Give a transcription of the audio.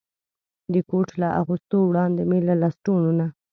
د کوټ له اغوستو وړاندې مې له لستوڼو نه.